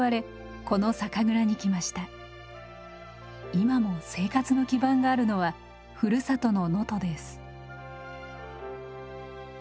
今も生活の基盤があるのはふるさとの能登です。